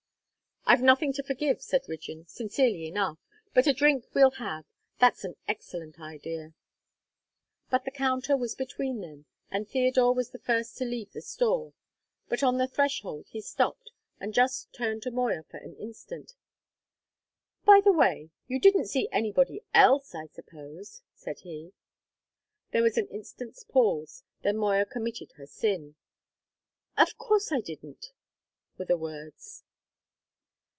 "I've nothing to forgive," said Rigden, sincerely enough. "But a drink we'll have; that's an excellent idea!" But the counter was between them, and Theodore was the first to leave the store; but on the threshold he stopped, and just turned to Moya for an instant. "By the way, you didn't see anybody else, I suppose?" said he. There was an instant's pause. Then Moya committed her sin. "Of course I didn't," were the words.